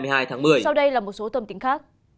sau đây là một số thông tin khác